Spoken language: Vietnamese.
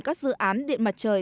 các dự án điện mặt trời